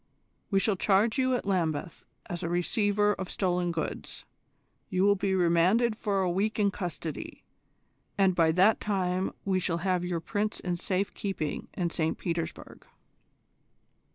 We shall charge you at Lambeth as a receiver of stolen goods: you will be remanded for a week in custody, and by that time we shall have your Prince in safe keeping in St Petersburg."